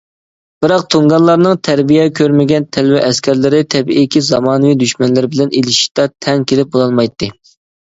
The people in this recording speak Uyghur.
بىراق تۇڭگانلارنىڭ تەربىيە كۆرمىگەن تەلۋە ئەسكەرلىرى تەبىئىيكى زامانىۋى دۈشمەنلىرى بىلەن ئېلىشىشتا تەڭ كېلىپ بولالمايتتى.